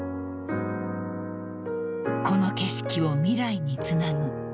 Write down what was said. ［この景色を未来につなぐ］